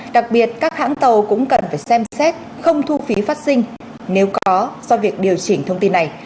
đặc biệt các hãng tàu cũng cần phải xem xét không thu phí phát sinh nếu có do việc điều chỉnh thông tin này